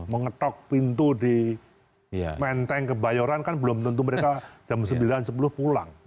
mengetok pintu di menteng kebayoran kan belum tentu mereka jam sembilan sepuluh pulang